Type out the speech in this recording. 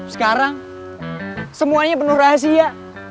sekarang semuanya penuh rahasia